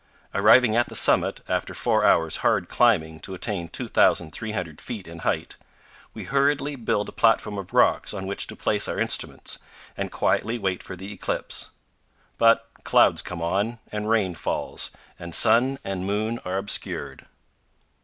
Arriving at the summit, after four hours' hard climbing to attain 2,300 feet in height, we hurriedly build a platform of rocks on which to place our instruments, and quietly wait for the eclipse; but clouds come on and rain falls, and sun and moon are obscured.